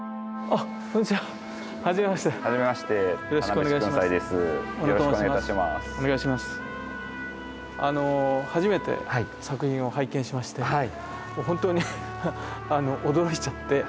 あの初めて作品を拝見しまして本当に驚いちゃって。